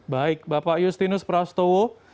baik bapak justinus prastowo